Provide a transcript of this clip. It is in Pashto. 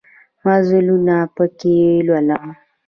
مزلونه پکښې لولم